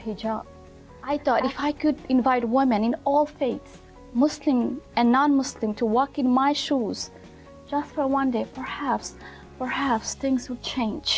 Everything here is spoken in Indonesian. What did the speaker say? hanya untuk suatu hari mungkin mungkin hal itu akan berubah